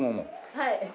はい。